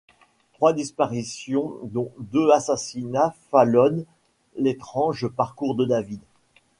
Trois disparitions dont deux assassinats jalonnent l'étrange parcours de David.